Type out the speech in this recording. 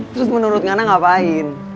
terus menurut ngana ngapain